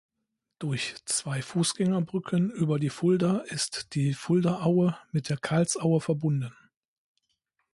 Durch zwei Fußgängerbrücken über die Fulda ist die Fuldaaue mit der Karlsaue verbunden.